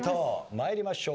参りましょう。